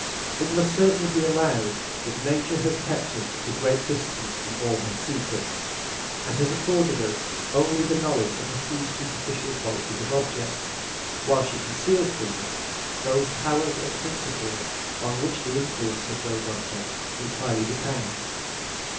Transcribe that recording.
It must certainly be allowed, that nature has kept us at a great distance from all her secrets, and has afforded us only the knowledge of a few superficial qualities of objects; while she conceals from us those powers and principles on which the influence of those objects entirely depends.